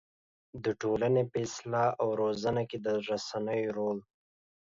د ټولنې په اصلاح او روزنه کې د رسنيو رول